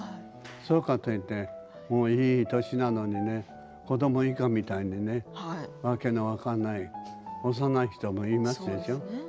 そうかと言ってもういい年なのに子ども以下みたいに訳の分かんない幼い人もいますでしょう。